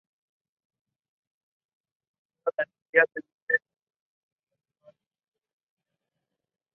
Y pedía explícitamente hacerlo de manera más cristiana que en las Indias Occidentales.